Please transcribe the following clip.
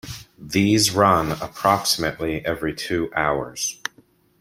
These run approximately every two hours.